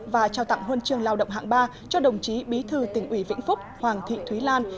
và trao tặng huân chương lao động hạng ba cho đồng chí bí thư tỉnh ủy vĩnh phúc hoàng thị thúy lan